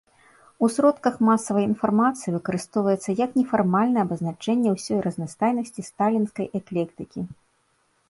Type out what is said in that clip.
У сродках масавай інфармацыі выкарыстоўваецца як нефармальная абазначэнне усёй разнастайнасці сталінскай эклектыкі.